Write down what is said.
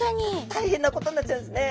大変なことになっちゃうんですね。